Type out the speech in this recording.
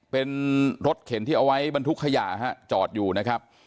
เป็นรถเข็นที่เอาไว้บรรทุกขยะฮะจอดอยู่นะครับ